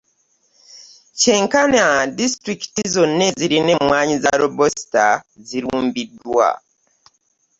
Kyenkana disitulikiti zonna ezirima emmwanyi za Robasita zirumbiddwa.